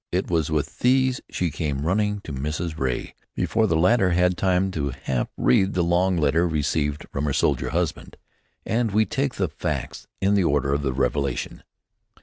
It was with these she came running in to Mrs. Ray before the latter had time to half read the long letter received from her soldier husband, and we take the facts in the order of their revelation.